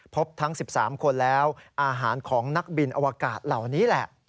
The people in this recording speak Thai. พบทั้ง๑๓คนแล้วอาหารของนักบินอวกาศเหล่านี้แหละ